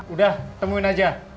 udah temuin aja